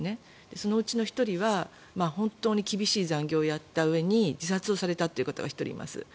そのうちの１人は本当に厳しい残業をやったうえで自殺をされたという方が１人います。